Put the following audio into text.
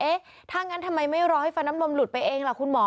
ถ้างั้นทำไมไม่รอให้ฟันน้ำนมหลุดไปเองล่ะคุณหมอ